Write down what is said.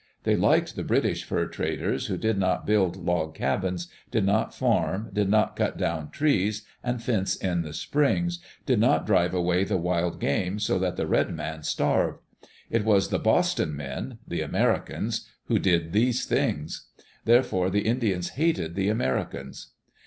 They liked the British fur traders, who did not build log cabins, did not farm, did not cut down trees and fence in the springs, did not drive away the wild game so that the red man starved. It was the "Boston men," the Americans, who did these things. Therefore the Indians hated the Amer icans.